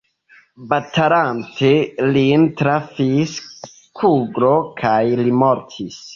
Batalante lin trafis kuglo kaj li mortis.